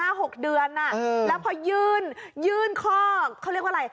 แล้วพอยื่นยื่นข้อเขาเรียกว่าอะไร